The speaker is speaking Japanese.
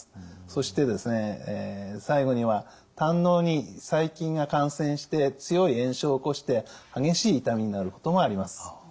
そして最後には胆のうに細菌が感染して強い炎症を起こして激しい痛みになることもあります。